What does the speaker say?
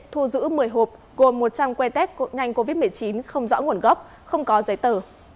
thu giữ một mươi hộp gồm một trăm linh que tết ngành covid một mươi chín không rõ nguồn gốc không có giấy tờ